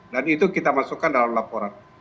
itu kita masukkan dalam laporan